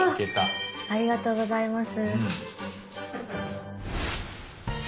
ありがとうございます。